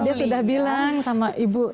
dia sudah bilang sama ibu